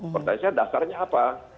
pertanyaannya dasarnya apa